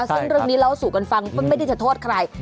ซึ่งเรื่องนี้เล่าสู่กันฟังก็ไม่ได้จะโทษใคร